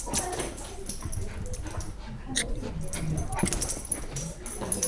和维吉尼亚的切塞皮克湾桥梁及隧道。